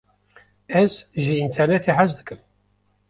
Ez ji înternetê hez dikim.